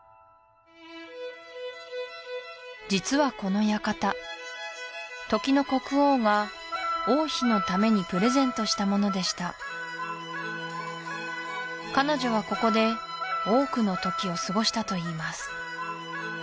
実はこの館時の国王が王妃のためにプレゼントしたものでした彼女はここで多くの時を過ごしたといいます